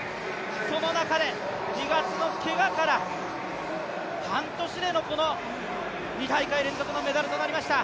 その中で２月のけがから半年でのこの２大会連続のメダルとなりまいｓた。